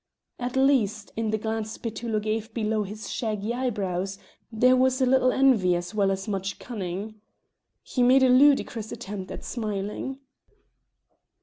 At least, in the glance Petullo gave below his shaggy eyebrows, there was a little envy as well as much cunning. He made a ludicrous attempt at smiling.